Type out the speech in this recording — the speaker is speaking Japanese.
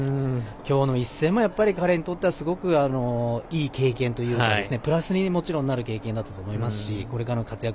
きょうの一戦も、彼にとってはすごくいい経験というかプラスになる経験だと思いますしこれからの活躍